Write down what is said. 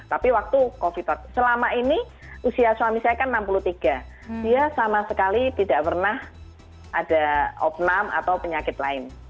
tapi waktu covid selama ini usia suami saya kan enam puluh tiga dia sama sekali tidak pernah ada opnam atau penyakit lain